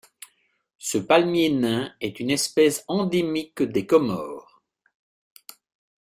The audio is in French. Ce palmier nain est une espèce endémique des Comores.